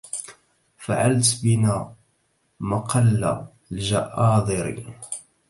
فعلت بنا مقل الجآذر